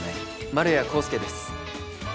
丸谷康介です。